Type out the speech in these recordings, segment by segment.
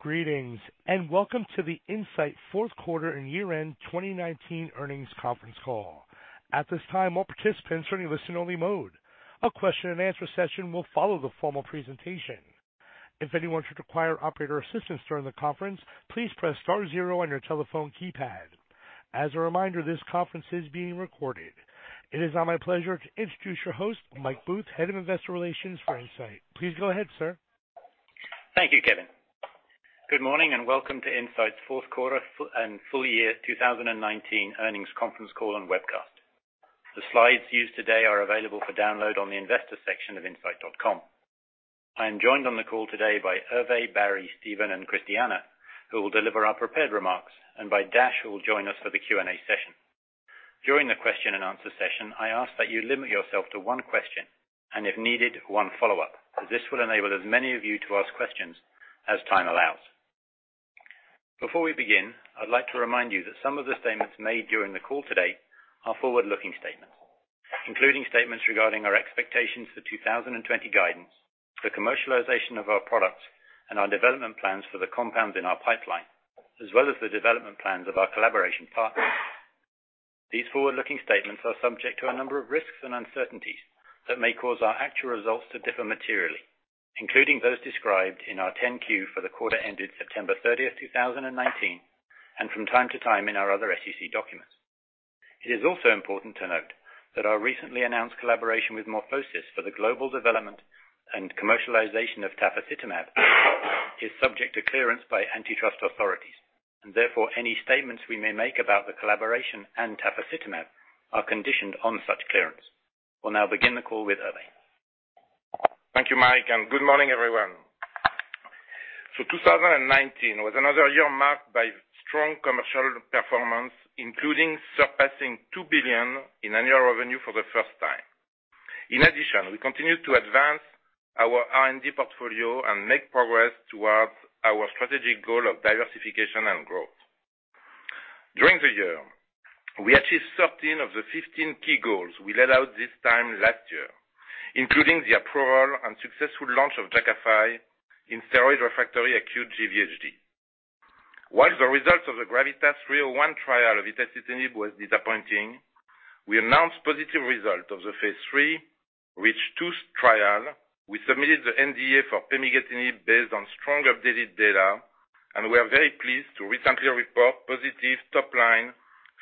Greetings, welcome to the Incyte fourth quarter and year-end 2019 earnings conference call. At this time, all participants are in listen-only mode. A question and answer session will follow the formal presentation. If anyone should require operator assistance during the conference, please press star zero on your telephone keypad. As a reminder, this conference is being recorded. It is now my pleasure to introduce your host, Michael Booth, Head of Investor Relations for Incyte. Please go ahead, sir. Thank you, Kevin. Good morning and welcome to Incyte's fourth quarter and full year 2019 earnings conference call and webcast. The slides used today are available for download on the investor section of incyte.com. I am joined on the call today by Hervé, Barry, Steven, and Christiana, who will deliver our prepared remarks, and by Dash, who will join us for the Q&A session. During the question and answer session, I ask that you limit yourself to one question, and if needed, one follow-up, as this will enable as many of you to ask questions as time allows. Before we begin, I'd like to remind you that some of the statements made during the call today are forward-looking statements, including statements regarding our expectations for 2020 guidance, the commercialization of our products, and our development plans for the compounds in our pipeline, as well as the development plans of our collaboration partners. These forward-looking statements are subject to a number of risks and uncertainties that may cause our actual results to differ materially, including those described in our 10-Q for the quarter ended September 30th, 2019, and from time to time in our other SEC documents. It is also important to note that our recently announced collaboration with MorphoSys for the global development and commercialization of tafasitamab is subject to clearance by antitrust authorities. Therefore, any statements we may make about the collaboration and tafasitamab are conditioned on such clearance. We'll now begin the call with Hervé. Thank you, Mike, and good morning, everyone. 2019 was another year marked by strong commercial performance, including surpassing $2 billion in annual revenue for the first time. In addition, we continued to advance our R&D portfolio and make progress towards our strategic goal of diversification and growth. During the year, we achieved 13 of the 15 key goals we laid out this time last year, including the approval and successful launch of Jakafi in steroid-refractory acute GVHD. While the results of the GRAVITAS-301 trial of itacitinib was disappointing, we announced positive result of the phase III REACH-2 trial. We submitted the NDA for pemigatinib based on strong updated data, and we are very pleased to recently report positive top line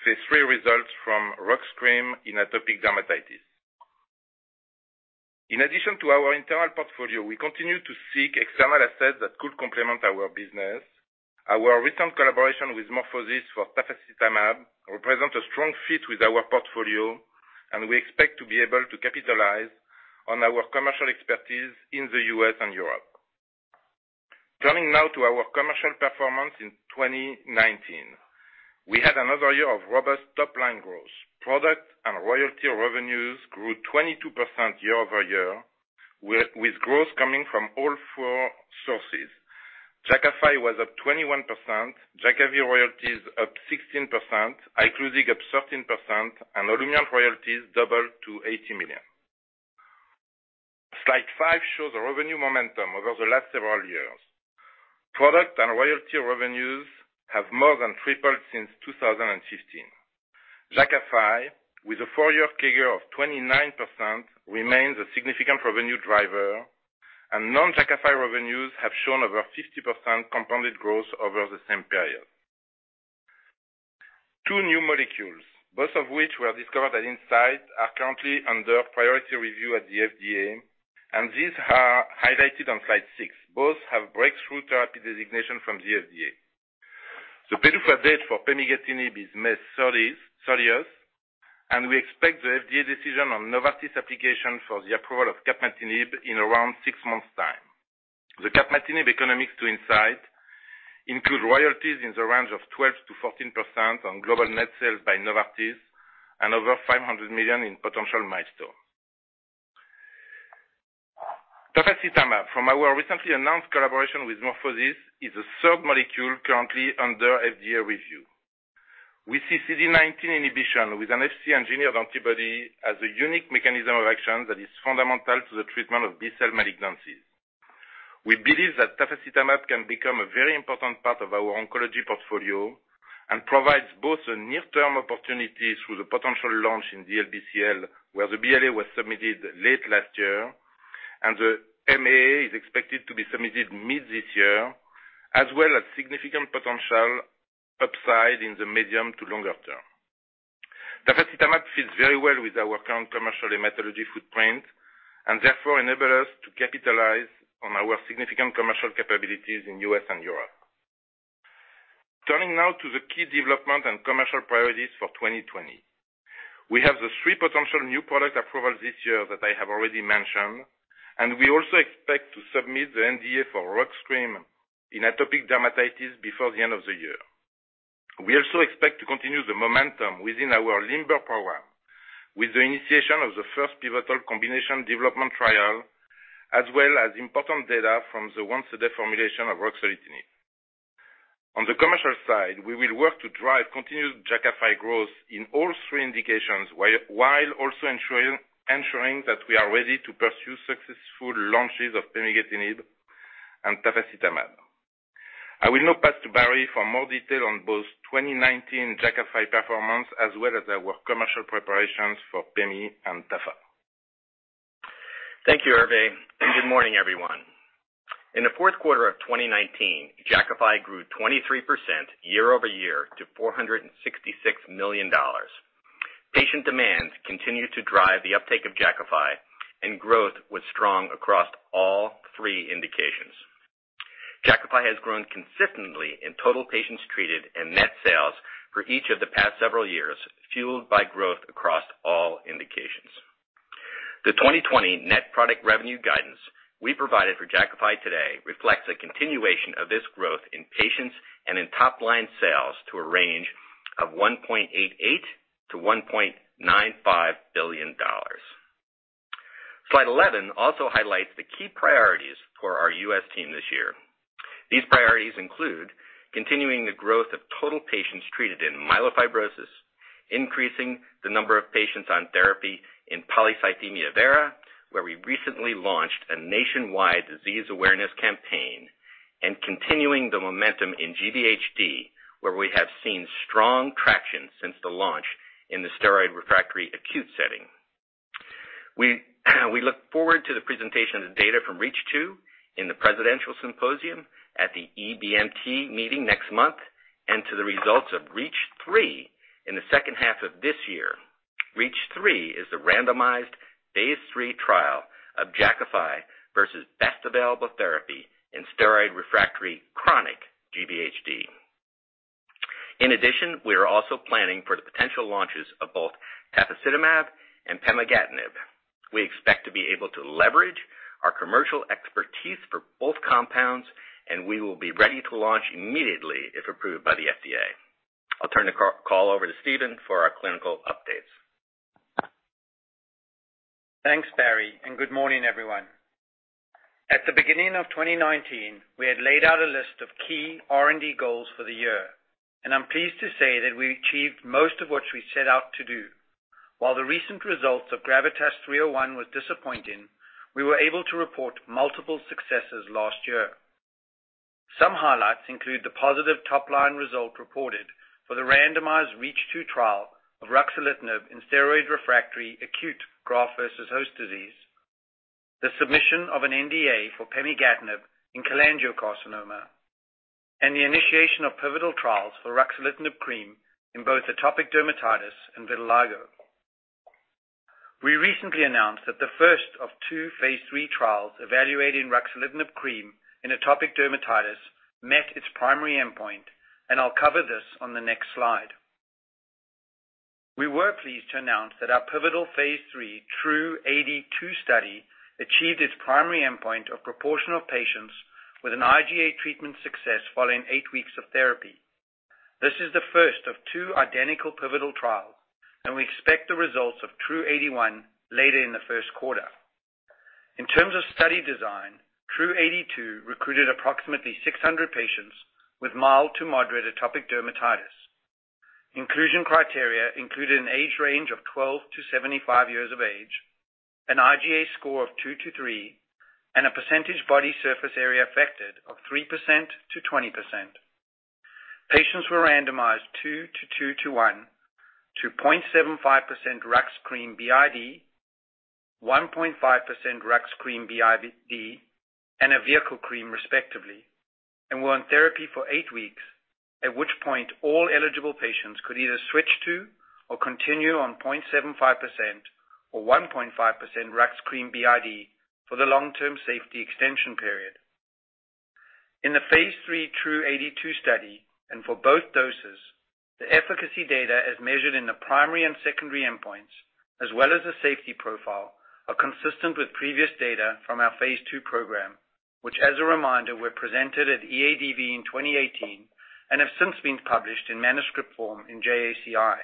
phase III results from ruxolitinib cream in atopic dermatitis. In addition to our internal portfolio, we continue to seek external assets that could complement our business. Our recent collaboration with MorphoSys for tafasitamab represents a strong fit with our portfolio, we expect to be able to capitalize on our commercial expertise in the U.S. and Europe. Turning now to our commercial performance in 2019. We had another year of robust top-line growth. Product and royalty revenues grew 22% year-over-year, with growth coming from all four sources. Jakafi was up 21%, Jakavi royalties up 16%, Iclusig up 13%, Olumiant royalties doubled to $80 million. Slide five shows the revenue momentum over the last several years. Product and royalty revenues have more than tripled since 2015. Jakafi, with a four-year CAGR of 29%, remains a significant revenue driver, non-Jakafi revenues have shown over 50% compounded growth over the same period. Two new molecules, both of which were discovered at Incyte, are currently under priority review at the FDA, these are highlighted on slide six. Both have breakthrough therapy designation from the FDA. The PDUFA date for pemigatinib is May 30th, and we expect the FDA decision on Novartis application for the approval of capmatinib in around six months' time. The capmatinib economics to Incyte include royalties in the range of 12%-14% on global net sales by Novartis and over $500 million in potential milestone. Tafasitamab, from our recently announced collaboration with MorphoSys, is the third molecule currently under FDA review. We see CD19 inhibition with an Fc engineered antibody as a unique mechanism of action that is fundamental to the treatment of B-cell malignancies. We believe that tafasitamab can become a very important part of our oncology portfolio and provides both a near-term opportunity through the potential launch in DLBCL, where the BLA was submitted late last year, and the MAA is expected to be submitted mid this year, as well as significant potential upside in the medium to longer term. Tafasitamab fits very well with our current commercial hematology footprint and therefore enable us to capitalize on our significant commercial capabilities in U.S. and Europe. Turning now to the key development and commercial priorities for 2020. We have the three potential new product approvals this year that I have already mentioned, and we also expect to submit the NDA for ruxolitinib cream in atopic dermatitis before the end of the year. We also expect to continue the momentum within our LIMBER program with the initiation of the first pivotal combination development trial, as well as important data from the once-a-day formulation of ruxolitinib. On the commercial side, we will work to drive continued Jakafi growth in all three indications, while also ensuring that we are ready to pursue successful launches of pemigatinib and tafasitamab. I will now pass to Barry for more detail on both 2019 Jakafi performance as well as our commercial preparations for pemi and tafa. Thank you, Hervé. Good morning, everyone. In the fourth quarter of 2019, Jakafi grew 23% year-over-year to $466 million. Patient demands continue to drive the uptake of Jakafi, and growth was strong across all three indications. Jakafi has grown consistently in total patients treated and net sales for each of the past several years, fueled by growth across all indications. The 2020 net product revenue guidance we provided for Jakafi today reflects a continuation of this growth in patients and in top-line sales to a range of $1.88 billion-$1.95 billion. Slide 11 also highlights the key priorities for our U.S. team this year. These priorities include continuing the growth of total patients treated in myelofibrosis, increasing the number of patients on therapy in polycythemia vera, where we recently launched a nationwide disease awareness campaign, and continuing the momentum in GVHD, where we have seen strong traction since the launch in the steroid refractory acute setting. We look forward to the presentation of the data from REACH-2 in the presidential symposium at the EBMT meeting next month, and to the results of REACH-3 in the second half of this year. REACH-3 is the randomized phase III trial of Jakafi versus best available therapy in steroid refractory chronic GVHD. In addition, we are also planning for the potential launches of both tafasitamab and pemigatinib. We expect to be able to leverage our commercial expertise for both compounds, and we will be ready to launch immediately, if approved by the FDA. I'll turn the call over to Steven for our clinical updates. Thanks, Barry, and good morning, everyone. At the beginning of 2019, we had laid out a list of key R&D goals for the year, and I'm pleased to say that we achieved most of what we set out to do. While the recent results of GRAVITAS-301 was disappointing, we were able to report multiple successes last year. Some highlights include the positive top-line result reported for the randomized REACH-2 trial of ruxolitinib in steroid-refractory acute graft-versus-host disease, the submission of an NDA for pemigatinib in cholangiocarcinoma, and the initiation of pivotal trials for ruxolitinib cream in both atopic dermatitis and vitiligo. We recently announced that the first of two phase III trials evaluating ruxolitinib cream in atopic dermatitis met its primary endpoint, and I'll cover this on the next slide. We were pleased to announce that our pivotal phase III TRuE-AD 2 study achieved its primary endpoint of proportion of patients with an IGA treatment success following eight weeks of therapy. This is the first of 2 identical pivotal trials, and we expect the results of TRuE-AD 1 later in the first quarter. In terms of study design, TRuE-AD 2 recruited approximately 600 patients with mild to moderate atopic dermatitis. Inclusion criteria included an age range of 12 to 75 years of age, an IGA score of 2-3, and a percentage body surface area affected of 3%-20%. Patients were randomized two to two to one to 0.75% RUX cream BID, 1.5% RUX cream BID, and a vehicle cream respectively, and were on therapy for eight weeks, at which point all eligible patients could either switch to or continue on 0.75% or 1.5% RUX cream BID for the long-term safety extension period. In the phase III TRuE-AD 2 study, and for both doses, the efficacy data as measured in the primary and secondary endpoints, as well as the safety profile, are consistent with previous data from our phase II program, which, as a reminder, were presented at EADV in 2018 and have since been published in manuscript form in JACI.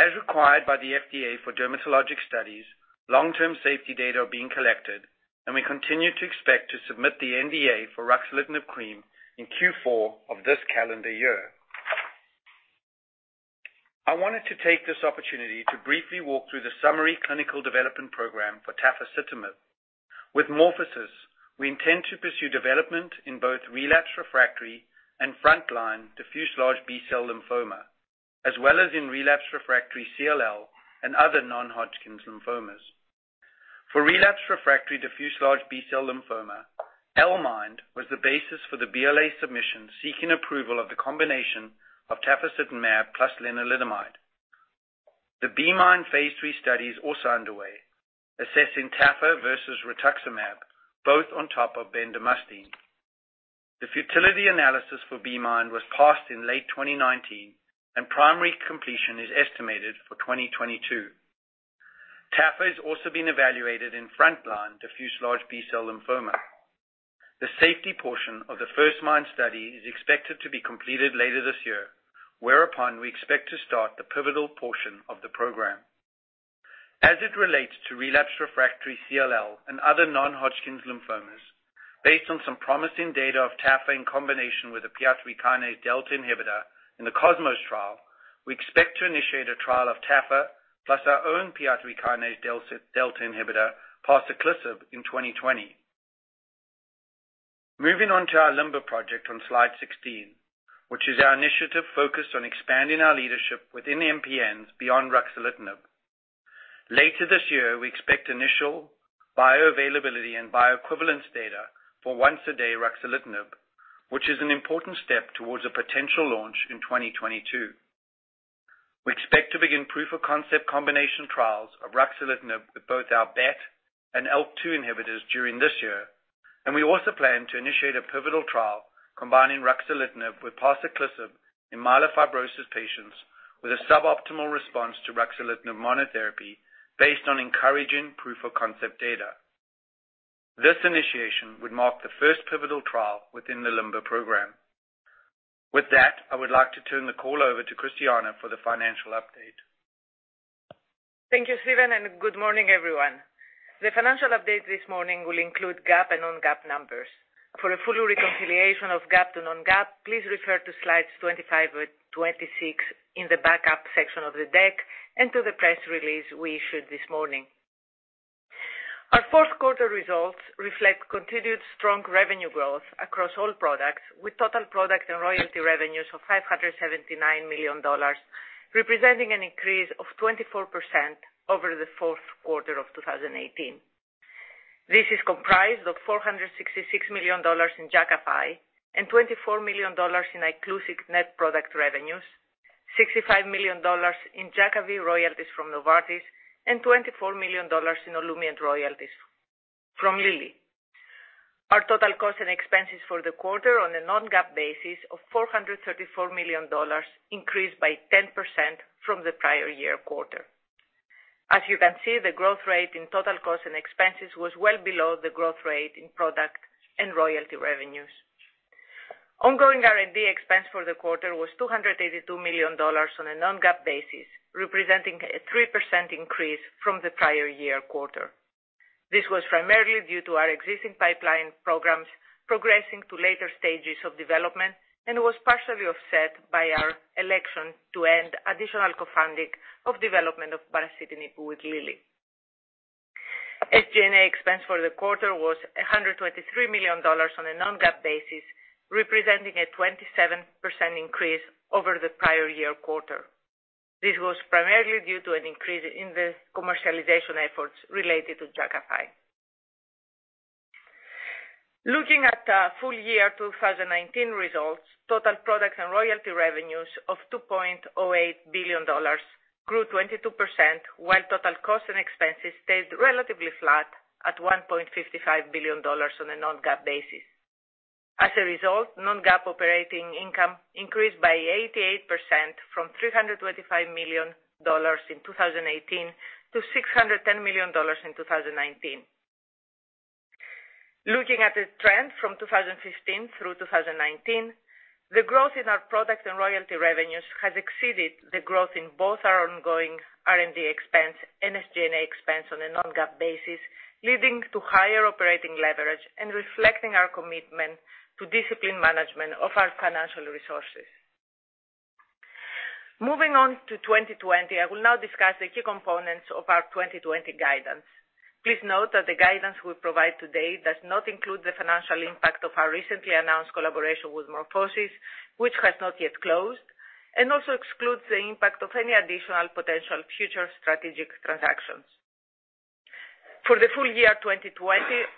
As required by the FDA for dermatologic studies, long-term safety data are being collected, and we continue to expect to submit the NDA for ruxolitinib cream in Q4 of this calendar year. I wanted to take this opportunity to briefly walk through the summary clinical development program for tafasitamab. With MorphoSys, we intend to pursue development in both relapse-refractory and frontline diffuse large B-cell lymphoma, as well as in relapse-refractory CLL and other non-Hodgkin's lymphomas. For relapse-refractory diffuse large B-cell lymphoma, L-MIND was the basis for the BLA submission seeking approval of the combination of tafasitamab plus lenalidomide. The B-MIND phase III study is also underway, assessing tafa versus rituximab, both on top of bendamustine. The futility analysis for B-MIND was passed in late 2019, and primary completion is estimated for 2022. Tafa is also being evaluated in frontline diffuse large B-cell lymphoma. The safety portion of the First-MIND study is expected to be completed later this year, whereupon we expect to start the pivotal portion of the program. As it relates to relapse refractory CLL and other non-Hodgkin's lymphomas, based on some promising data of tafa in combination with a PI3K delta inhibitor in the COSMOS trial, we expect to initiate a trial of tafa plus our own PI3K delta inhibitor, parsaclisib, in 2020. Moving on to our LIMBER project on slide 16, which is our initiative focused on expanding our leadership within the MPNs beyond ruxolitinib. Later this year, we expect initial bioavailability and bioequivalence data for once a day ruxolitinib, which is an important step towards a potential launch in 2022. We expect to begin proof of concept combination trials of ruxolitinib with both our BET and IL2 inhibitors during this year, and we also plan to initiate a pivotal trial combining ruxolitinib with parsaclisib in myelofibrosis patients with a suboptimal response to ruxolitinib monotherapy based on encouraging proof of concept data. This initiation would mark the first pivotal trial within the LIMBER program. With that, I would like to turn the call over to Christiana for the financial update. Thank you, Steven, good morning, everyone. The financial update this morning will include GAAP and non-GAAP numbers. For a full reconciliation of GAAP to non-GAAP, please refer to slides 25 or 26 in the backup section of the deck and to the press release we issued this morning. Our fourth quarter results reflect continued strong revenue growth across all products, with total product and royalty revenues of $579 million, representing an increase of 24% over the fourth quarter of 2018. This is comprised of $466 million in Jakafi and $24 million in Iclusig net product revenues, $65 million in Jakavi royalties from Novartis, and $24 million in Olumiant royalties from Lilly. Our total cost and expenses for the quarter on a non-GAAP basis of $434 million increased by 10% from the prior year quarter. As you can see, the growth rate in total cost and expenses was well below the growth rate in product and royalty revenues. Ongoing R&D expense for the quarter was $282 million on a non-GAAP basis, representing a 3% increase from the prior year quarter. This was primarily due to our existing pipeline programs progressing to later stages of development, and was partially offset by our election to end additional co-funding of development of baricitinib with Lilly. SG&A expense for the quarter was $123 million on a non-GAAP basis, representing a 27% increase over the prior year quarter. This was primarily due to an increase in the commercialization efforts related to Jakafi. Looking at full year 2019 results, total products and royalty revenues of $2.08 billion grew 22%, while total costs and expenses stayed relatively flat at $1.55 billion on a non-GAAP basis. As a result, non-GAAP operating income increased by 88%, from $325 million in 2018 to $610 million in 2019. Looking at the trend from 2015 through 2019, the growth in our product and royalty revenues has exceeded the growth in both our ongoing R&D expense and SG&A expense on a non-GAAP basis, leading to higher operating leverage and reflecting our commitment to disciplined management of our financial resources. Moving on to 2020, I will now discuss the key components of our 2020 guidance. Please note that the guidance we provide today does not include the financial impact of our recently announced collaboration with MorphoSys, which has not yet closed, and also excludes the impact of any additional potential future strategic transactions. For the full year 2020,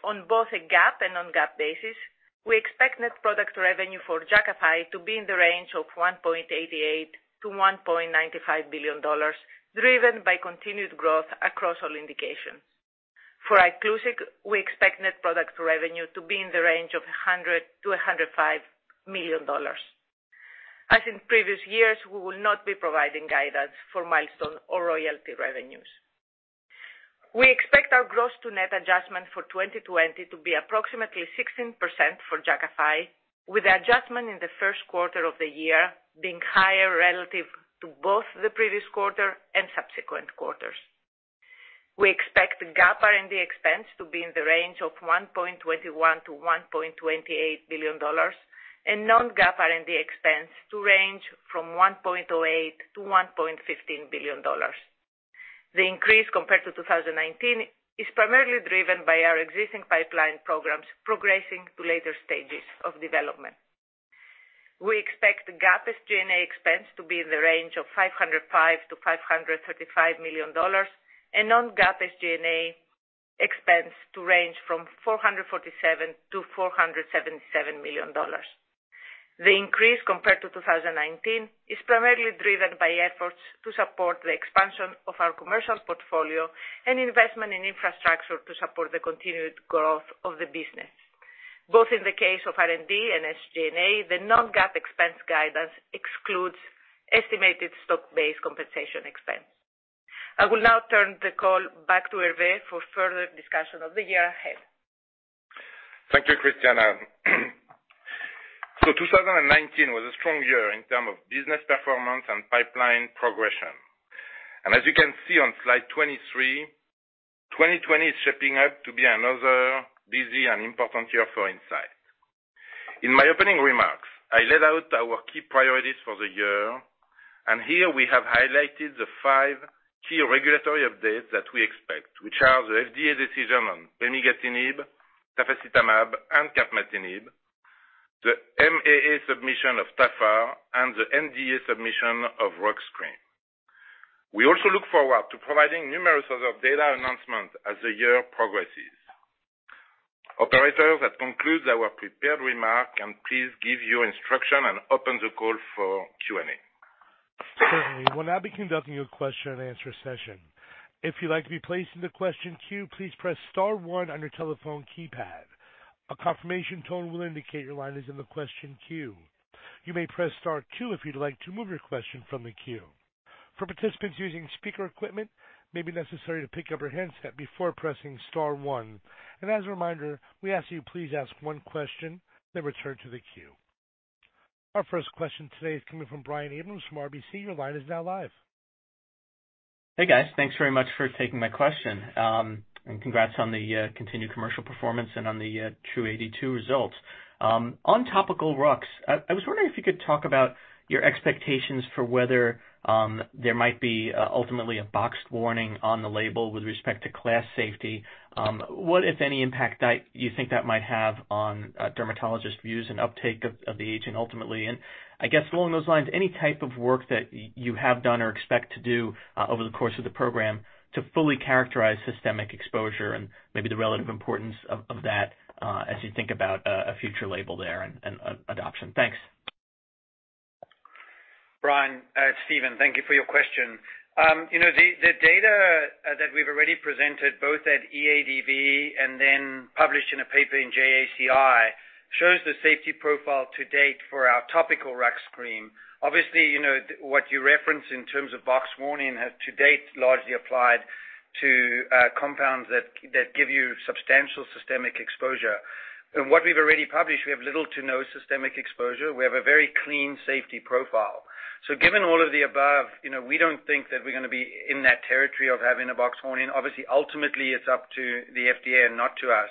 on both a GAAP and non-GAAP basis, we expect net product revenue for Jakafi to be in the range of $1.88 billion-$1.95 billion, driven by continued growth across all indications. For Iclusig, we expect net product revenue to be in the range of $100 million-$105 million. As in previous years, we will not be providing guidance for milestone or royalty revenues. We expect our gross to net adjustment for 2020 to be approximately 16% for Jakafi, with the adjustment in the first quarter of the year being higher relative to both the previous quarter and subsequent quarters. We expect GAAP R&D expense to be in the range of $1.21 billion-$1.28 billion and non-GAAP R&D expense to range from $1.08 billion-$1.15 billion. The increase compared to 2019 is primarily driven by our existing pipeline programs progressing to later stages of development. We expect GAAP SG&A expense to be in the range of $505 million-$535 million, and non-GAAP SG&A expense to range from $447 million-$477 million. The increase compared to 2019 is primarily driven by efforts to support the expansion of our commercial portfolio and investment in infrastructure to support the continued growth of the business. Both in the case of R&D and SG&A, the non-GAAP expense guidance excludes estimated stock-based compensation expense. I will now turn the call back to Hervé for further discussion of the year ahead. Thank you, Christiana. 2019 was a strong year in term of business performance and pipeline progression. As you can see on slide 23, 2020 is shaping up to be another busy and important year for Incyte. In my opening remarks, I laid out our key priorities for the year, here we have highlighted the five key regulatory updates that we expect, which are the FDA decision on pemigatinib, tafasitamab, and capmatinib, the MAA submission of TAFA, and the NDA submission of ruxolitinib cream. We also look forward to providing numerous other data announcements as the year progresses. Operator, that concludes our prepared remark, please give your instruction and open the call for Q&A. Certainly. We'll now be conducting a question and answer session. If you'd like to be placed in the question queue, please press star one on your telephone keypad. A confirmation tone will indicate your line is in the question queue. You may press star two if you'd like to move your question from the queue. For participants using speaker equipment, it may be necessary to pick up your handset before pressing star one. As a reminder, we ask you please ask one question, then return to the queue. Our first question today is coming from Brian Abrahams from RBC. Your line is now live. Hey, guys. Thanks very much for taking my question. Congrats on the continued commercial performance and on the TRuE-AD results. On topical RUX, I was wondering if you could talk about your expectations for whether there might be ultimately a boxed warning on the label with respect to class safety. What, if any, impact you think that might have on dermatologist views and uptake of the agent ultimately? I guess along those lines, any type of work that you have done or expect to do over the course of the program to fully characterize systemic exposure and maybe the relative importance of that, as you think about a future label there and adoption. Thanks. Brian, Steven, thank you for your question. The data that we've already presented, both at EADV and then published in a paper in JACI, shows the safety profile to date for our topical ruxolitinib cream. What you reference in terms of Boxed Warning to date largely applied to compounds that give you substantial systemic exposure. In what we've already published, we have little to no systemic exposure. We have a very clean safety profile. Given all of the above, we don't think that we're going to be in that territory of having a Boxed Warning. Ultimately, it's up to the FDA and not to us.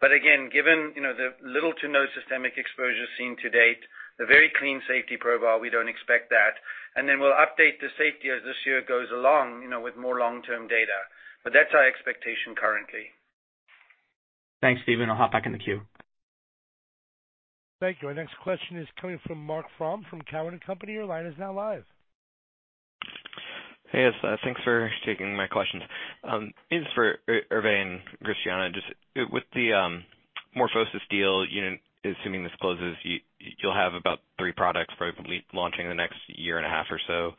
Again, given the little to no systemic exposure seen to date, the very clean safety profile, we don't expect that. We'll update the safety as this year goes along, with more long-term data. That's our expectation currently. Thanks, Steven. I'll hop back in the queue. Thank you. Our next question is coming from Marc Frahm from Cowen and Company. Your line is now live. Hey. Thanks for taking my questions. This is for Hervé and Christiana. Just with the MorphoSys deal, assuming this closes, you'll have about three products probably launching in the next year and a half or so.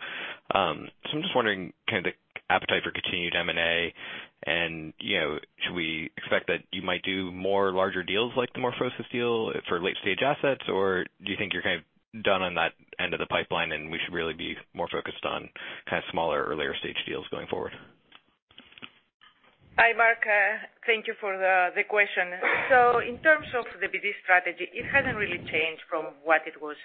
I'm just wondering, kind of the appetite for continued M&A, and should we expect that you might do more larger deals like the MorphoSys deal for late-stage assets? Do you think you're kind of done on that end of the pipeline, and we should really be more focused on kind of smaller, earlier-stage deals going forward? Hi, Marc. Thank you for the question. In terms of the BD strategy, it hasn't really changed from what it was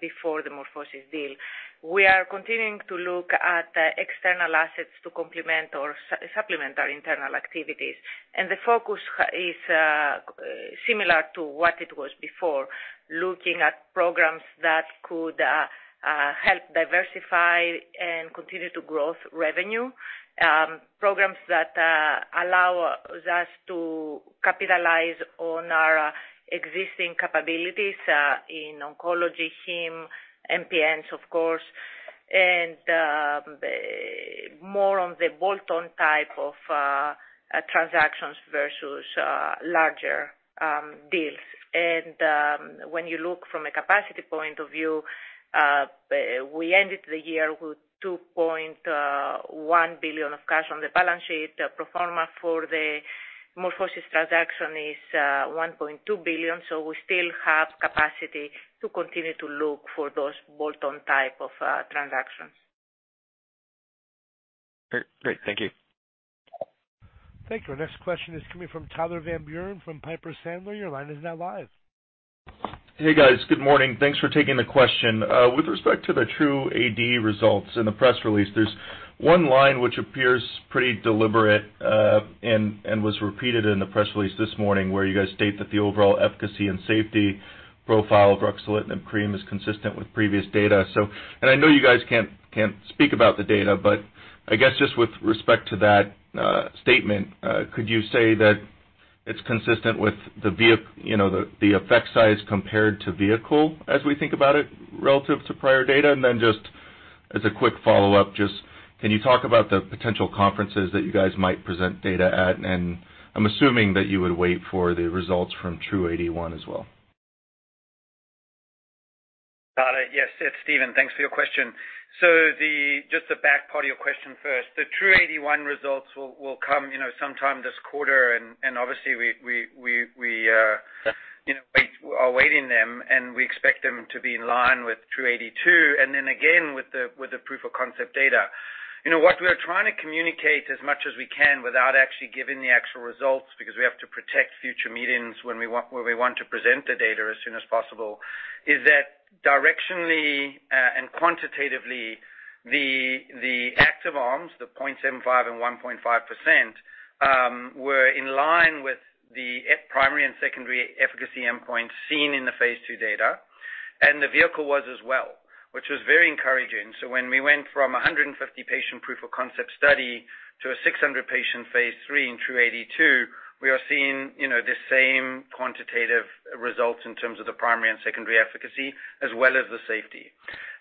before the MorphoSys deal. We are continuing to look at external assets to complement or supplement our internal activities. The focus is similar to what it was before, looking at programs that could help diversify and continue to grow revenue, programs that allow us to capitalize on our existing capabilities, in oncology, Heme, MPNs of course, and more on the bolt-on type of transactions versus larger deals. When you look from a capacity point of view, we ended the year with $2.1 billion of cash on the balance sheet. Pro forma for the MorphoSys transaction is $1.2 billion. We still have capacity to continue to look for those bolt-on type of transactions. Great. Thank you. Thank you. Our next question is coming from Tyler Van Buren from Piper Sandler. Your line is now live. Hey, guys. Good morning. Thanks for taking the question. With respect to the TRuE-AD results in the press release, there's one line which appears pretty deliberate and was repeated in the press release this morning where you guys state that the overall efficacy and safety profile of ruxolitinib cream is consistent with previous data. I know you guys can't speak about the data, but I guess just with respect to that statement, could you say that it's consistent with the effect size compared to vehicle as we think about it relative to prior data? Just as a quick follow-up, just can you talk about the potential conferences that you guys might present data at? I'm assuming that you would wait for the results from TRuE-AD1 as well. Tyler, yes, it's Steven. Thanks for your question. Just the back part of your question first. The TRuE-AD1 results will come sometime this quarter, and obviously we are awaiting them, and we expect them to be in line with TRuE-AD 2, and then again with the proof of concept data. What we are trying to communicate as much as we can without actually giving the actual results, because we have to protect future meetings where we want to present the data as soon as possible, is that directionally and quantitatively, the active arms, the 0.75 and 1.5%, were in line with the primary and secondary efficacy endpoint seen in the phase II data, and the vehicle was as well, which was very encouraging. When we went from 150-patient proof of concept study to a 600-patient phase III in 282, we are seeing the same quantitative results in terms of the primary and secondary efficacy as well as the safety.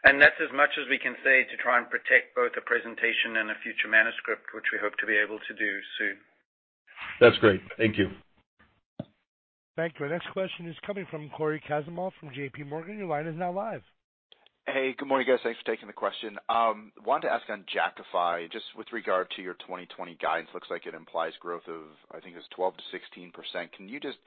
That's as much as we can say to try and protect both the presentation and a future manuscript, which we hope to be able to do soon. That's great. Thank you. Thank you. Our next question is coming from Cory Kasimov from JPMorgan. Your line is now live. Hey, good morning, guys. Thanks for taking the question. I wanted to ask on Jakafi, just with regard to your 2020 guidance, looks like it implies growth of, I think it's 12%-16%. Can you just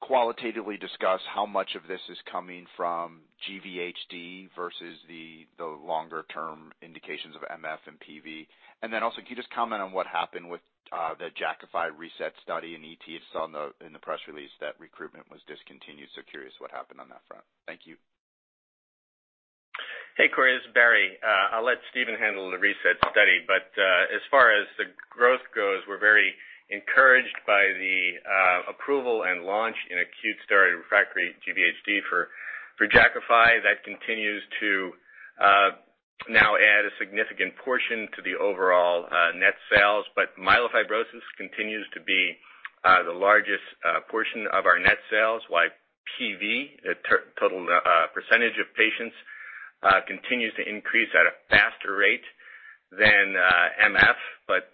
qualitatively discuss how much of this is coming from GVHD versus the longer-term indications of MF and PV? Then also, can you just comment on what happened with the Jakafi RESET study in ET? I saw in the press release that recruitment was discontinued, so I'm curious what happened on that front. Thank you. Hey, Cory, this is Barry. I'll let Steven handle the RESET study, as far as the growth goes, we're very encouraged by the approval and launch in acute steroid-refractory GVHD for Jakafi. That continues to now add a significant portion to the overall net sales. Myelofibrosis continues to be the largest portion of our net sales, while PV, total percentage of patients, continues to increase at a faster rate than MF.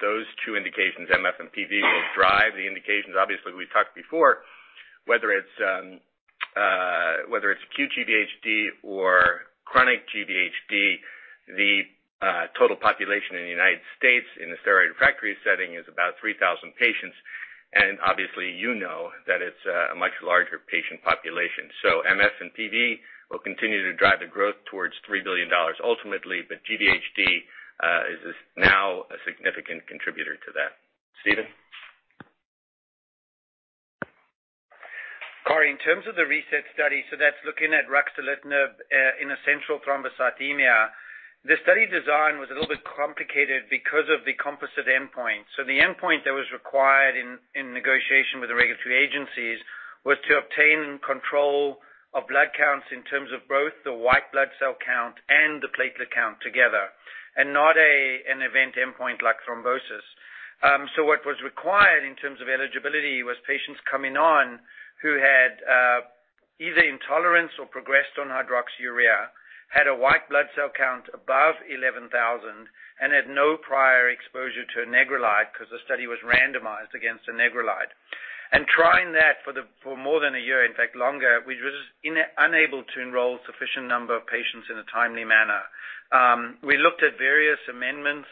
Those two indications, MF and PV, will drive the indications. Obviously, we talked before, whether it's acute GVHD or chronic GVHD, the total population in the U.S. in the steroid-refractory setting is about 3,000 patients. Obviously, you know that it's a much larger patient population. MF and PV will continue to drive the growth towards $3 billion ultimately. GVHD is now a significant contributor to that. Steven? Cory, in terms of the RESET study, that's looking at ruxolitinib in essential thrombocythemia. The study design was a little bit complicated because of the composite endpoint. The endpoint that was required in negotiation with the regulatory agencies was to obtain control of blood counts in terms of both the white blood cell count and the platelet count together, and not an event endpoint like thrombosis. What was required in terms of eligibility was patients coming on who had either intolerance or progressed on hydroxyurea, had a white blood cell count above 11,000, and had no prior exposure to anagrelide, because the study was randomized against anagrelide. Trying that for more than a year, in fact, longer, we were just unable to enroll sufficient number of patients in a timely manner. We looked at various amendments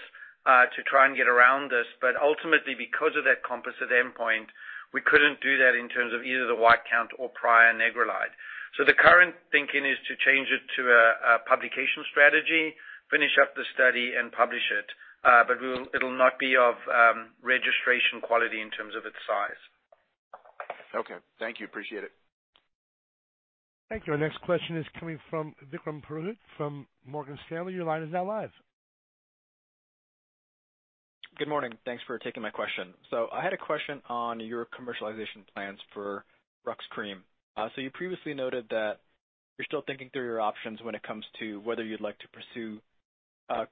to try and get around this, ultimately, because of that composite endpoint, we couldn't do that in terms of either the white count or prior anagrelide. The current thinking is to change it to a publication strategy, finish up the study, and publish it. It'll not be of registration quality in terms of its size. Okay. Thank you. Appreciate it. Thank you. Our next question is coming from Vikram Purohit from Morgan Stanley. Your line is now live. Good morning. Thanks for taking my question. I had a question on your commercialization plans for Opzelura. You previously noted that you're still thinking through your options when it comes to whether you'd like to pursue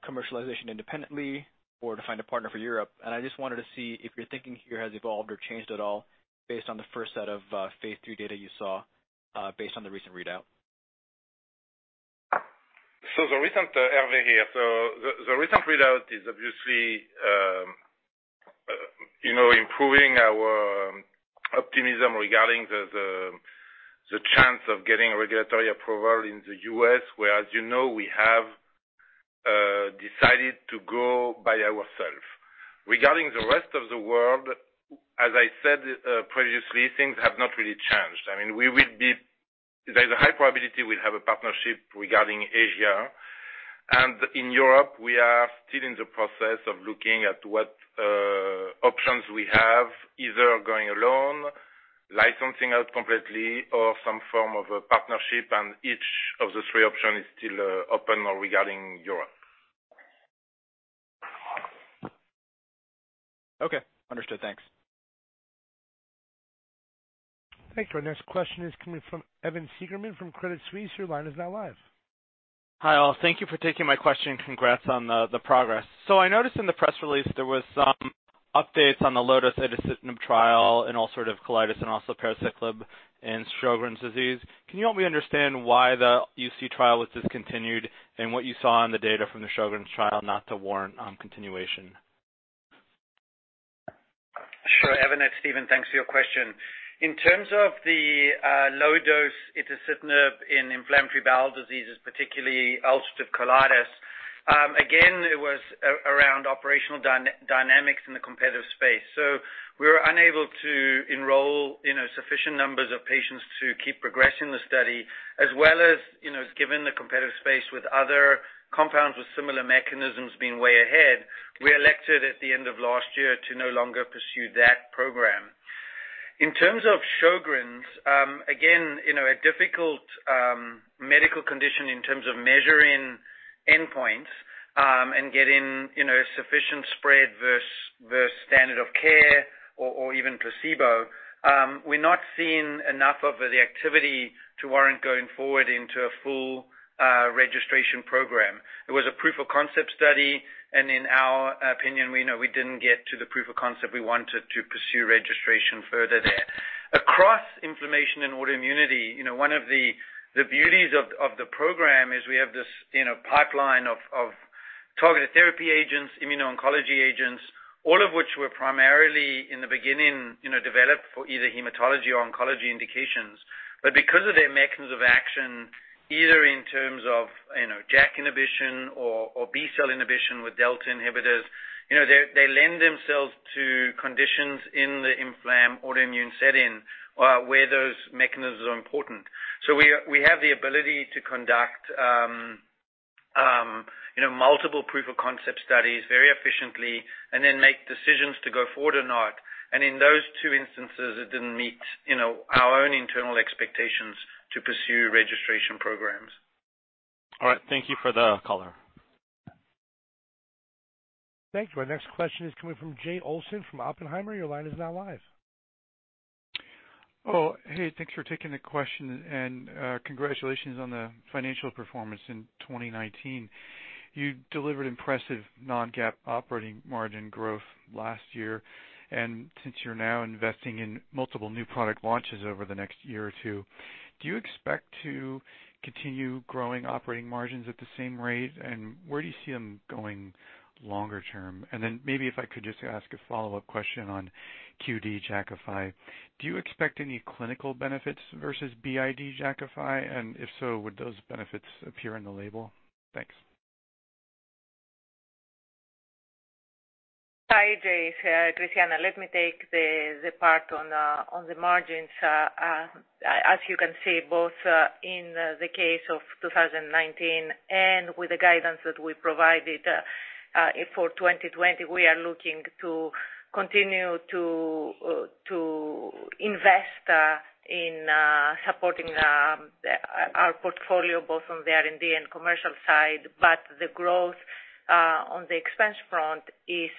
commercialization independently or to find a partner for Europe. I just wanted to see if your thinking here has evolved or changed at all based on the first set of phase III data you saw based on the recent readout. Hervé here. The recent readout is obviously improving our optimism regarding the chance of getting regulatory approval in the U.S., where, as you know, we have decided to go by ourself. Regarding the rest of the world, as I said previously, things have not really changed. There's a high probability we'll have a partnership regarding Asia. In Europe, we are still in the process of looking at what options we have, either going alone, licensing out completely, or some form of a partnership, and each of the three options is still open regarding Europe. Okay. Understood. Thanks. Thank you. Our next question is coming from Evan Seigerman from Credit Suisse. Your line is now live. Hi, all. Thank you for taking my question, and congrats on the progress. I noticed in the press release there was some updates on the low dose itacitinib trial in ulcerative colitis and also parsaclisib in Sjögren's disease. Can you help me understand why the UC trial was discontinued and what you saw in the data from the Sjögren's trial not to warrant continuation? Sure, Evan. It's Steven. Thanks for your question. In terms of the low dose itacitinib in inflammatory bowel diseases, particularly ulcerative colitis, again, it was around operational dynamics in the competitive space. We were unable to enroll sufficient numbers of patients to keep progressing the study, as well as given the competitive space with other compounds with similar mechanisms being way ahead, we elected at the end of last year to no longer pursue that program. In terms of Sjögren's, again, a difficult medical condition in terms of measuring endpoints, and getting sufficient spread versus standard of care or even placebo. We're not seeing enough of the activity to warrant going forward into a full registration program. It was a proof of concept study, and in our opinion, we know we didn't get to the proof of concept we wanted to pursue registration further there. Across inflammation and autoimmunity, one of the beauties of the program is we have this pipeline of targeted therapy agents, immuno-oncology agents, all of which were primarily, in the beginning, developed for either hematology or oncology indications. Because of their mechanism of action, either in terms of JAK inhibition or B-cell inhibition with delta inhibitors, they lend themselves to conditions in the inflam autoimmune setting, where those mechanisms are important. We have the ability to conduct multiple proof of concept studies very efficiently and then make decisions to go forward or not. In those two instances, it didn't meet our own internal expectations to pursue registration programs. All right. Thank you for the color. Thank you. Our next question is coming from Jay Olson from Oppenheimer. Your line is now live. Hey, thanks for taking the question. Congratulations on the financial performance in 2019. You delivered impressive non-GAAP operating margin growth last year. Since you're now investing in multiple new product launches over the next year or two, do you expect to continue growing operating margins at the same rate? Where do you see them going longer term? Maybe if I could just ask a follow-up question on QD Jakafi. Do you expect any clinical benefits versus BID Jakafi? If so, would those benefits appear in the label? Thanks. Hi, Jay. It's Christiana. Let me take the part on the margins. As you can see, both in the case of 2019 and with the guidance that we provided for 2020, we are looking to continue to invest in supporting our portfolio, both on the R&D and commercial side. The growth on the expense front is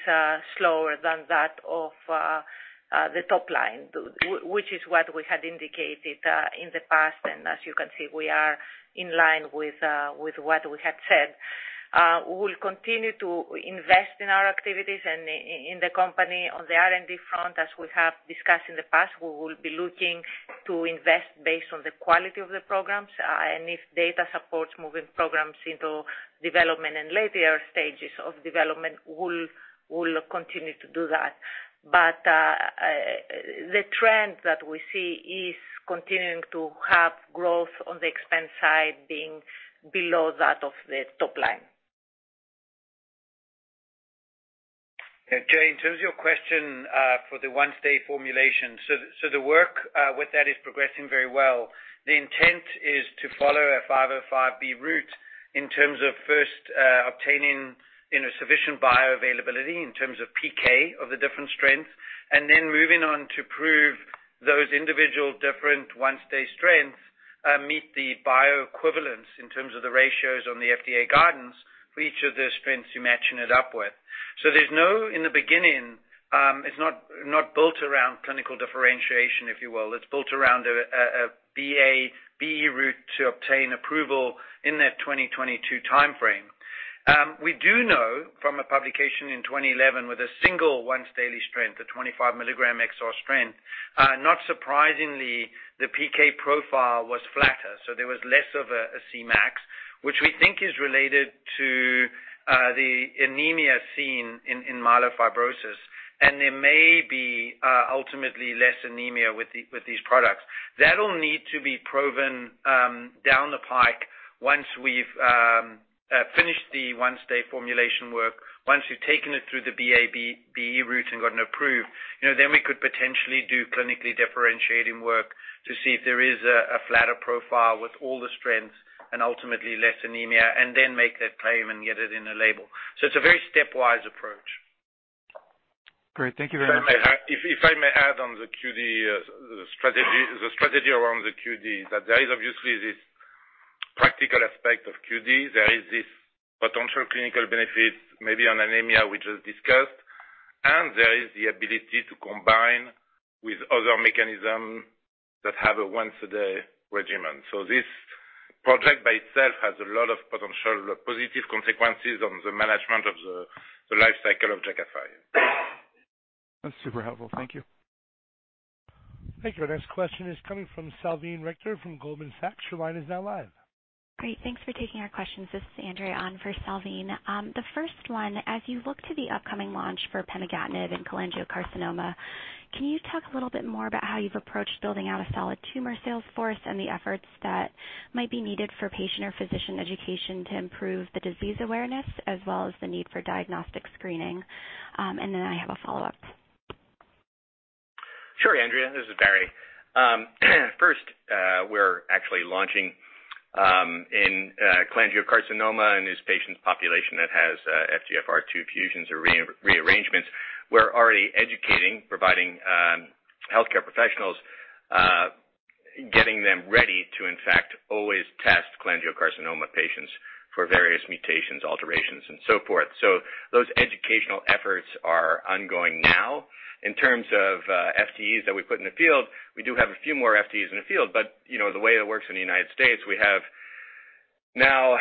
slower than that of the top line, which is what we had indicated in the past, and as you can see, we are in line with what we had said. We will continue to invest in our activities and in the company on the R&D front. As we have discussed in the past, we will be looking to invest based on the quality of the programs. If data supports moving programs into development and later stages of development, we'll continue to do that. The trend that we see is continuing to have growth on the expense side being below that of the top line. Jay, in terms of your question for the once-day formulation. The work with that is progressing very well. The intent is to follow a 505 route in terms of first obtaining sufficient bioavailability in terms of PK of the different strengths, and then moving on to prove those individual different once-day strengths meet the bioequivalence in terms of the ratios on the FDA guidance for each of the strengths you're matching it up with. There's no, in the beginning, it's not built around clinical differentiation, if you will. It's built around a BA/BE route to obtain approval in that 2022 timeframe. We do know from a publication in 2011 with a single once daily strength, a 25 milligram XR strength. Not surprisingly, the PK profile was flatter, there was less of a Cmax, which we think is related to the anemia seen in myelofibrosis, and there may be ultimately less anemia with these products. That'll need to be proven down the pike once we've finished the once-day formulation work, once we've taken it through the BA/BE route and gotten approved, then we could potentially do clinically differentiating work to see if there is a flatter profile with all the strengths and ultimately less anemia, and then make that claim and get it in a label. It's a very stepwise approach. Great. Thank you very much. If I may add on the QD, the strategy around the QD, that there is obviously this practical aspect of QD. There is this potential clinical benefit, maybe on anemia, which was discussed, and there is the ability to combine with other mechanism that have a once-a-day regimen. This project by itself has a lot of potential positive consequences on the management of the life cycle of Jakafi. That's super helpful. Thank you. Thank you. Our next question is coming from Salveen Richter from Goldman Sachs. Your line is now live. Great. Thanks for taking our questions. This is Andrea on for Salveen. The first one, as you look to the upcoming launch for pemigatinib and cholangiocarcinoma, can you talk a little bit more about how you've approached building out a solid tumor sales force and the efforts that might be needed for patient or physician education to improve the disease awareness as well as the need for diagnostic screening? I have a follow-up. Sure, Andrea, this is Barry. We're actually launching in cholangiocarcinoma in this patient population that has FGFR2 fusions or rearrangements. We're already educating, providing healthcare professionals, getting them ready to, in fact, always test cholangiocarcinoma patients for various mutations, alterations, and so forth. Those educational efforts are ongoing now. In terms of FTEs that we put in the field, we do have a few more FTEs in the field, but the way it works in the U.S., we have now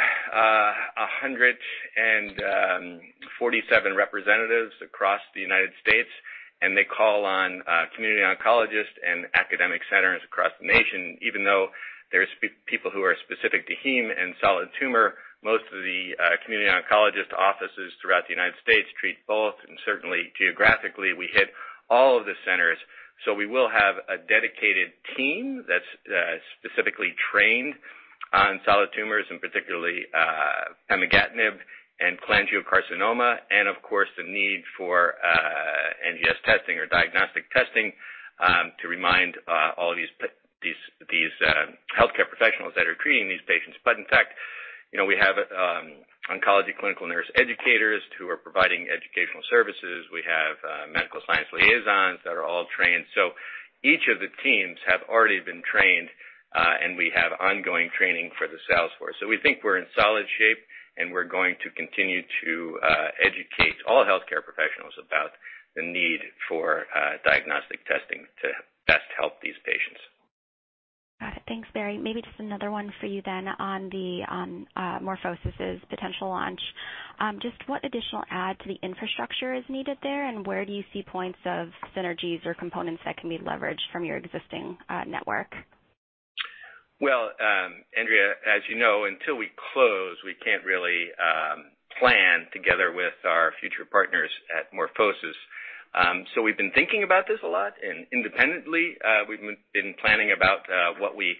147 representatives across the U.S., and they call on community oncologists and academic centers across the nation. Even though there's people who are specific to heme and solid tumor, most of the community oncologist offices throughout the U.S. treat both, and certainly geographically, we hit all of the centers. We will have a dedicated team that's specifically trained on solid tumors, and particularly pemigatinib and cholangiocarcinoma, and of course, the need for NGS testing or diagnostic testing to remind all these healthcare professionals that are treating these patients. In fact, we have oncology clinical nurse educators who are providing educational services. We have medical science liaisons that are all trained. Each of the teams have already been trained, and we have ongoing training for the sales force. We think we're in solid shape, and we're going to continue to educate all healthcare professionals about the need for diagnostic testing to best help these patients. Got it. Thanks, Barry. Maybe just another one for you then on the MorphoSys potential launch. Just what additional add to the infrastructure is needed there, and where do you see points of synergies or components that can be leveraged from your existing network? Andrea, as you know, until we close, we can't really plan together with our future partners at MorphoSys. We've been thinking about this a lot, and independently, we've been planning about what we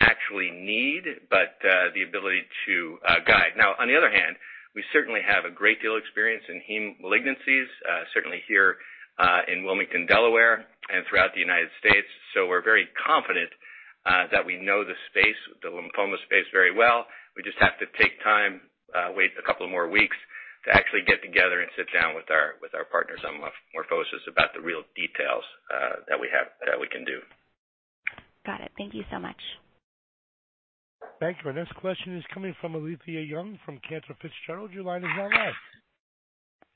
actually need, but the ability to guide. On the other hand, we certainly have a great deal of experience in heme malignancies, certainly here in Wilmington, Delaware, and throughout the United States. We're very confident that we know the space, the lymphoma space very well. We just have to take time, wait a couple more weeks to actually get together and sit down with our partners on MorphoSys about the real details that we can do. Got it. Thank you so much. Thank you. Our next question is coming from Alethia Young from Cantor Fitzgerald. Your line is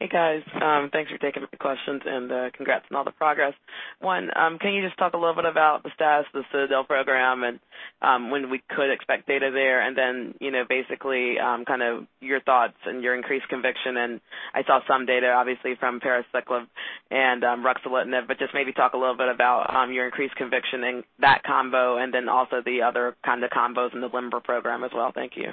now live. Hey, guys. Thanks for taking the questions and congrats on all the progress. Can you just talk a little bit about the status of the CITADEL program and when we could expect data there? Basically, your thoughts and your increased conviction, and I saw some data obviously from parsaclisib and ruxolitinib, but just maybe talk a little bit about your increased conviction in that combo and then also the other kind of combos in the LIMBER program as well. Thank you.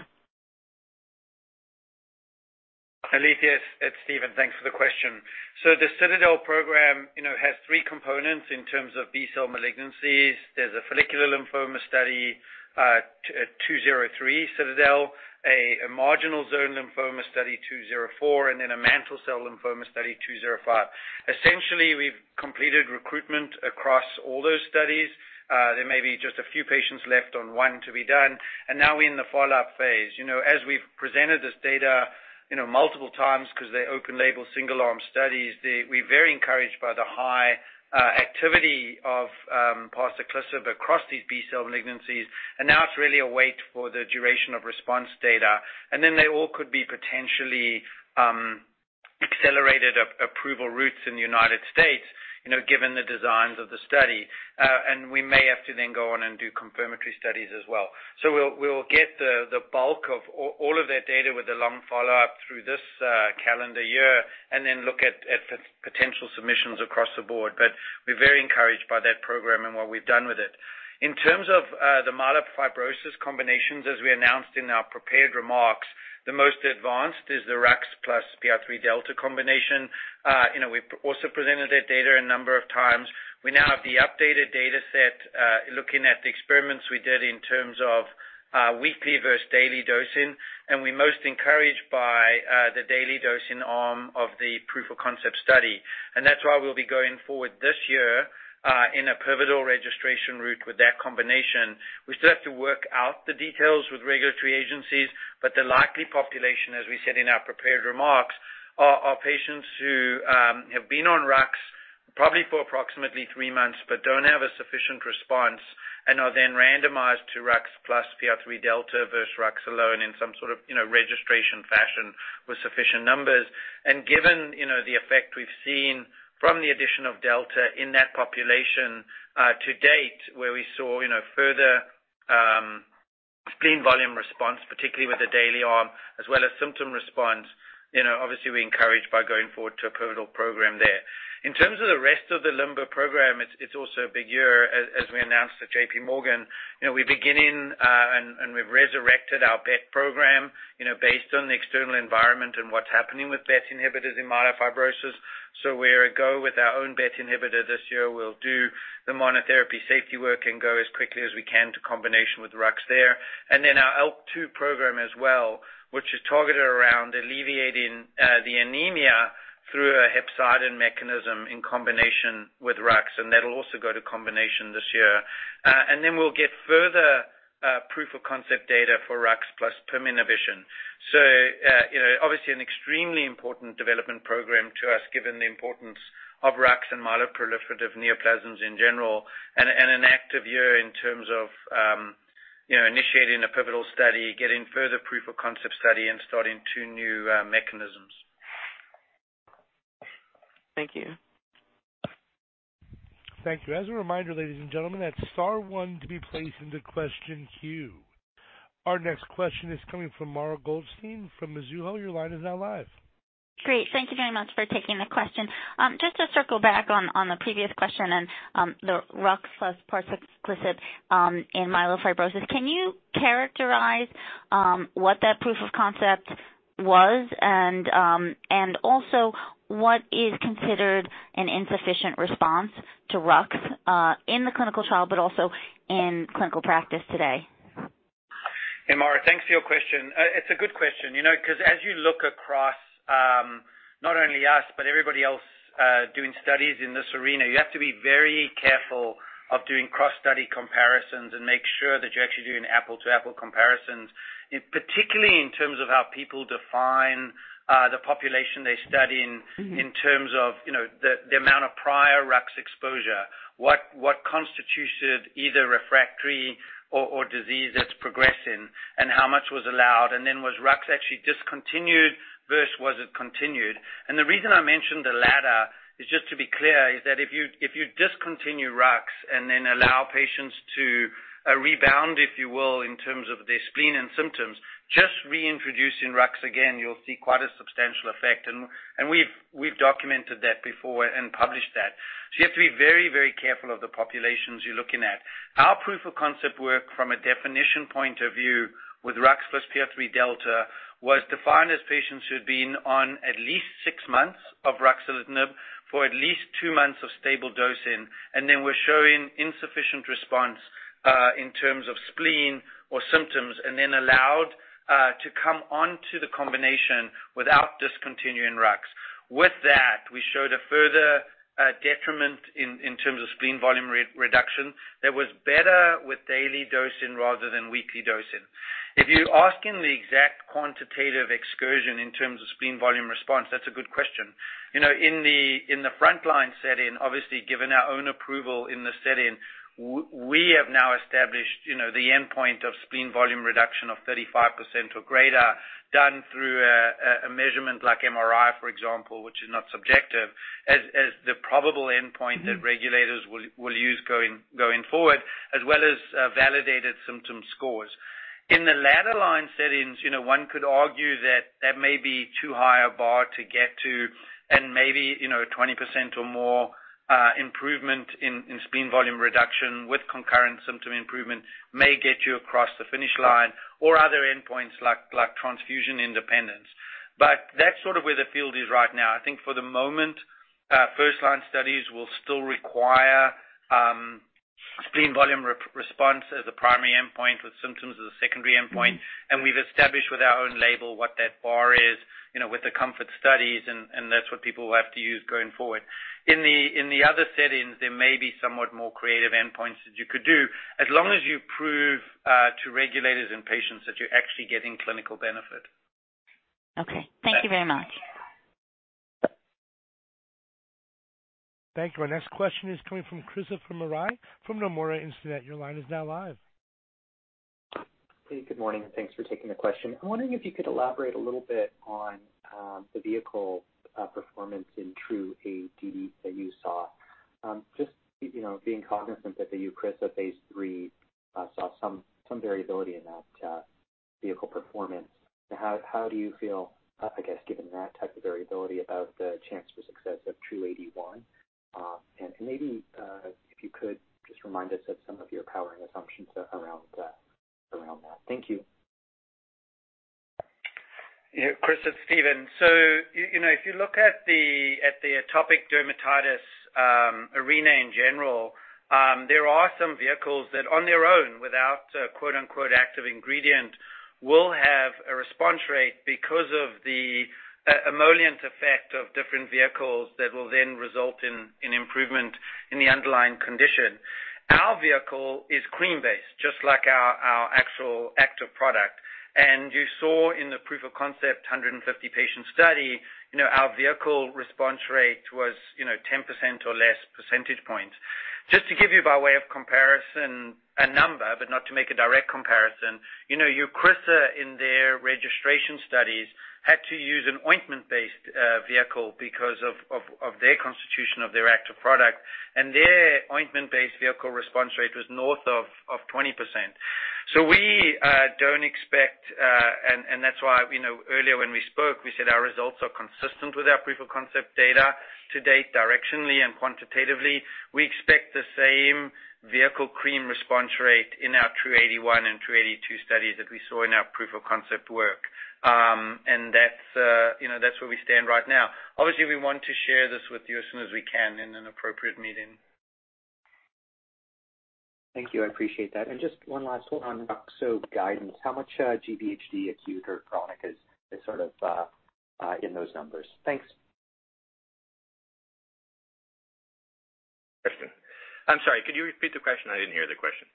Alethia, it's Steven. Thanks for the question. The CITADEL program has three components in terms of B-cell malignancies. There's a follicular lymphoma study, CITADEL-203, a marginal zone lymphoma study, CITADEL-204, a mantle cell lymphoma study, CITADEL-205. Essentially, we've completed recruitment across all those studies. There may be just a few patients left on one to be done. Now we're in the follow-up phase. As we've presented this data multiple times because they're open label, single arm studies, we're very encouraged by the high activity of parsaclisib across these B-cell malignancies. Now it's really a wait for the duration of response data. They all could be potentially accelerated approval routes in the U.S., given the designs of the study. We may have to then go on and do confirmatory studies as well. We'll get the bulk of all of that data with the long follow-up through this calendar year and then look at potential submissions across the board. We're very encouraged by that program and what we've done with it. In terms of the myelofibrosis combinations, as we announced in our prepared remarks, the most advanced is the Rux plus PI3K delta combination. We've also presented that data a number of times. We now have the updated data set, looking at the experiments we did in terms of weekly versus daily dosing, and we're most encouraged by the daily dosing arm of the proof of concept study. That's why we'll be going forward this year in a pivotal registration route with that combination. We still have to work out the details with regulatory agencies, but the likely population, as we said in our prepared remarks, are patients who have been on rux probably for approximately three months but don't have a sufficient response and are then randomized to rux plus PI3K delta versus rux alone in some sort of registration fashion with sufficient numbers. Given the effect we've seen from the addition of PI3K delta in that population to date, where we saw further spleen volume response, particularly with the daily arm, as well as symptom response, obviously, we're encouraged by going forward to a pivotal program there. In terms of the rest of the LIMBER program, it's also a big year, as we announced at JPMorgan. We're beginning and we've resurrected our BET program, based on the external environment and what's happening with BET inhibitors in myelofibrosis. We're a go with our own BET inhibitor this year. We'll do the monotherapy safety work and go as quickly as we can to combination with Rux there. Our ALK2 program as well, which is targeted around alleviating the anemia through a hepcidin mechanism in combination with Rux, and that'll also go to combination this year. We'll get further proof of concept data for Rux plus PIM inhibition. Obviously, an extremely important development program to us, given the importance of Rux and myeloproliferative neoplasms in general, and an active year in terms of initiating a pivotal study, getting further proof of concept study, and starting two new mechanisms. Thank you. Thank you. As a reminder, ladies and gentlemen, that's star one to be placed into question queue. Our next question is coming from Mara Goldstein from Mizuho. Your line is now live. Great. Thank you very much for taking the question. To circle back on the previous question and the Rux plus parsaclisib in myelofibrosis, can you characterize what that proof of concept was and also what is considered an insufficient response to Rux in the clinical trial but also in clinical practice today? Hey, Mara. Thanks for your question. It's a good question. As you look across not only us, but everybody else doing studies in this arena, you have to be very careful of doing cross-study comparisons and make sure that you're actually doing apple-to-apple comparisons, particularly in terms of how people define the population they study in terms of the amount of prior Rux exposure. What constituted either refractory or disease that's progressing, how much was allowed, and then was Rux actually discontinued versus was it continued? The reason I mentioned the latter is just to be clear, is that if you discontinue Rux and then allow patients to rebound, if you will, in terms of their spleen and symptoms, just reintroducing Rux again, you'll see quite a substantial effect. We've documented that before and published that. You have to be very careful of the populations you're looking at. Our proof of concept work from a definition point of view with rux plus PI3K delta was defined as patients who had been on at least six months of ruxolitinib for at least two months of stable dosing, and then were showing insufficient response in terms of spleen or symptoms, and then allowed to come onto the combination without discontinuing rux. With that, we showed a further detriment in terms of spleen volume reduction that was better with daily dosing rather than weekly dosing. If you're asking the exact quantitative excursion in terms of spleen volume response, that's a good question. In the frontline setting, obviously, given our own approval in the setting, we have now established the endpoint of spleen volume reduction of 35% or greater, done through a measurement like MRI, for example, which is not subjective, as the probable endpoint that regulators will use going forward, as well as validated symptom scores. In the latter line settings, one could argue that that may be too high a bar to get to and maybe 20% or more improvement in spleen volume reduction with concurrent symptom improvement may get you across the finish line or other endpoints like transfusion independence. I think for the moment, first-line studies will still require spleen volume response as a primary endpoint, with symptoms as a secondary endpoint. We've established with our own label what that bar is with the COMFORT studies, and that's what people will have to use going forward. In the other settings, there may be somewhat more creative endpoints that you could do as long as you prove to regulators and patients that you're actually getting clinical benefit. Okay. Thank you very much. Thank you. Our next question is coming from Christopher Marai from Nomura Instinet. Your line is now live. Hey, good morning, thanks for taking the question. I'm wondering if you could elaborate a little bit on the vehicle performance in TRuE-AD that you saw. Just being cognizant that the EUCRISA phase III saw some variability in that vehicle performance. How do you feel, I guess, given that type of variability about the chance for success of TRuE-AD1? Maybe if you could just remind us of some of your powering assumptions around that. Thank you. Yeah, Chris, it's Steven. If you look at the atopic dermatitis arena in general, there are some vehicles that on their own, without "active ingredient," will have a response rate because of the emollient effect of different vehicles that will then result in improvement in the underlying condition. Our vehicle is cream-based, just like our actual active product. You saw in the proof of concept 150-patient study, our vehicle response rate was 10% or less percentage points. Just to give you by way of comparison a number, but not to make a direct comparison, EUCRISA in their registration studies had to use an ointment-based vehicle because of their constitution of their active product, and their ointment-based vehicle response rate was north of 20%. We don't expect, and that's why earlier when we spoke, we said our results are consistent with our proof of concept data to date directionally and quantitatively. We expect the same vehicle cream response rate in our TRuE-AD1 and TRuE-AD2 studies that we saw in our proof of concept work. That's where we stand right now. Obviously, we want to share this with you as soon as we can in an appropriate meeting. Thank you. I appreciate that. Just one last one on Ruxo guidance. How much GVHD, acute or chronic, is sort of in those numbers? Thanks. Christian. I'm sorry, could you repeat the question? I didn't hear the question.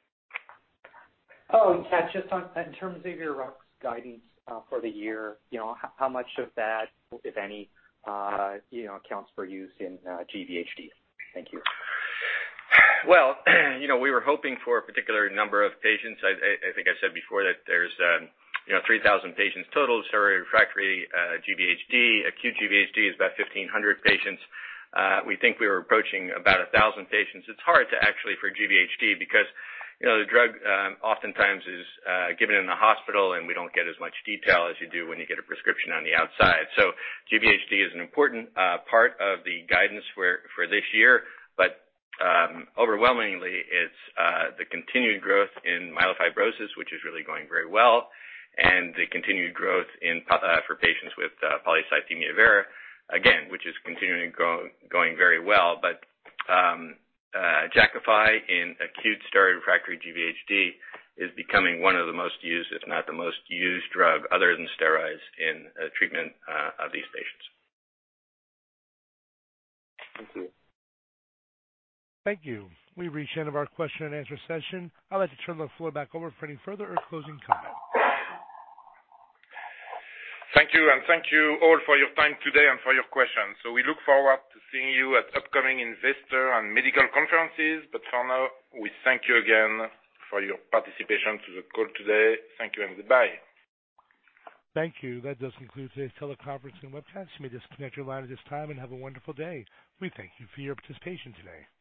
Oh, yeah. Just in terms of your Rux guidance for the year, how much of that, if any, counts for use in GVHD? Thank you. Well, we were hoping for a particular number of patients. I think I said before that there's 3,000 patients total, steroid-refractory GVHD. Acute GVHD is about 1,500 patients. We think we were approaching about 1,000 patients. It's hard to actually for GVHD because the drug oftentimes is given in the hospital, and we don't get as much detail as you do when you get a prescription on the outside. GVHD is an important part of the guidance for this year. Overwhelmingly, it's the continued growth in myelofibrosis, which is really going very well, and the continued growth for patients with polycythemia vera, again, which is continuing going very well. Jakafi in acute steroid-refractory GVHD is becoming one of the most used, if not the most used drug other than steroids in treatment of these patients. Thank you. Thank you. We've reached the end of our question and answer session. I'd like to turn the floor back over for any further or closing comments. Thank you, and thank you all for your time today and for your questions. We look forward to seeing you at upcoming investor and medical conferences. For now, we thank you again for your participation to the call today. Thank you and goodbye. Thank you. That does conclude today's teleconference and webcast. You may disconnect your line at this time and have a wonderful day. We thank you for your participation today.